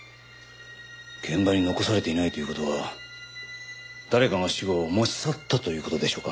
現場に残されていないという事は誰かが死後持ち去ったという事でしょうか？